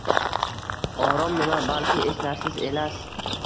Orom nima, balki eslarsiz elas